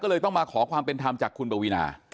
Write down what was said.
ก็เลยต้องมาขอความเป็นธรรมจากคุณปวีนา